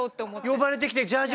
呼ばれて来てジャージ